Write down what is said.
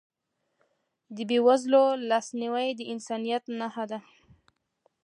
د بېوزلو لاسنیوی د انسانیت نښه ده.